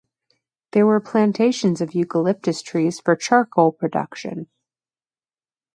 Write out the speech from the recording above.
There were plantations of eucalyptus trees for charcoal production.